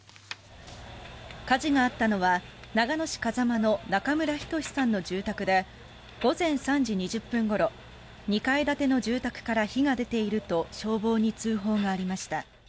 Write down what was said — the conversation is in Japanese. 火事があったのは長野市風間の中村均さんの住宅で午前３時２０分ごろ２階建ての住宅から火が出ていると消防に通報がありました。